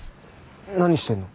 何してんの？